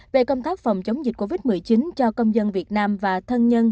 về công tác phòng chống dịch covid một mươi chín cho công dân việt nam và thân nhân